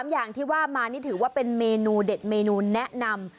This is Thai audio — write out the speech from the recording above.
อย่างที่ว่ามานี่ถือว่าเป็นเมนูเด็ดเมนูแนะนำ